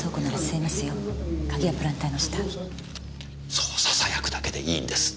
そうささやくだけでいいんです。